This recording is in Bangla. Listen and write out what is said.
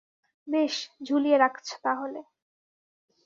বেশ, ঝুলিয়ে রাখছ তাহলে।